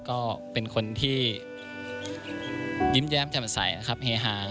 ก็เป็นคนที่ยิ้มแย้มแจ่มใสนะครับเฮฮา